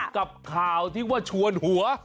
กับข่าวที่ว่าชวนหัว